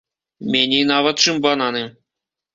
Меней нават, чым бананы.